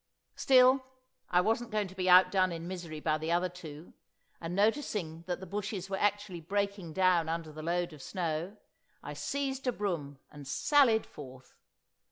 Still, I wasn't going to be outdone in misery by the other two, and noticing that the bushes were actually breaking down under the load of snow, I seized a broom and sallied forth.